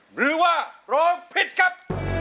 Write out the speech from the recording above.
หรือว่าร้องผิดครับ